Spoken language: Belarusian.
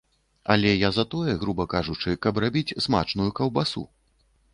Але я за тое, груба кажучы, каб рабіць смачную каўбасу.